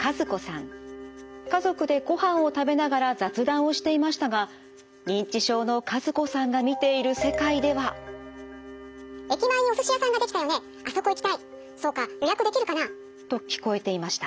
家族でごはんを食べながら雑談をしていましたが認知症の和子さんが見ている世界では。と聞こえていました。